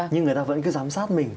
nhưng người ta vẫn cứ giám sát mình